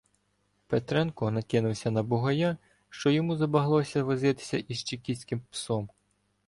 Петренко накинувся на Бугая, що йому забагнулося возитися із чекістським псом.